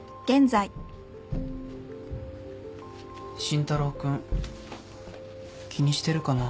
慎太郎君気にしてるかな？